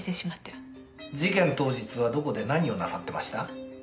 事件当日はどこで何をなさってました？